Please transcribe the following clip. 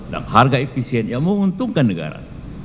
dan harga efisien yang menguntungkan negara